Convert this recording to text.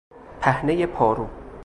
پهنهی پارو